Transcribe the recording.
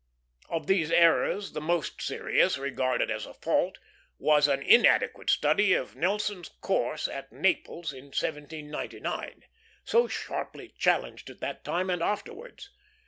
Of these errors the most serious, regarded as a fault, was an inadequate study of Nelson's course at Naples in 1799, so sharply challenged at that time and afterwards.